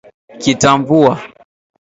Kitamvua